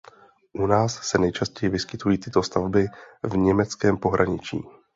U nás se nejčastěji vyskytují tyto stavby v německém pohraničí.